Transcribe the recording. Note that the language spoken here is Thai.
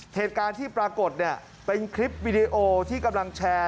เหตุการณ์ที่ปรากฏเนี่ยเป็นคลิปวิดีโอที่กำลังแชร์